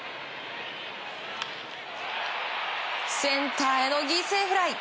センターへの犠牲フライ。